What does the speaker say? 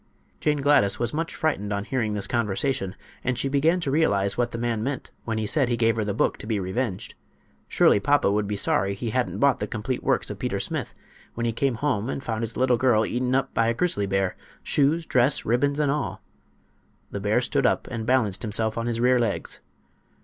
Jane Gladys was much frightened on hearing this conversation, and she began to realize what the man meant when he said he gave her the book to be revenged. Surely papa would be sorry he hadn't bought the "Complete Works of Peter Smith" when he came home and found his little girl eaten up by a grizzly bear—shoes, dress, ribbons and all! The bear stood up and balanced himself on his rear legs.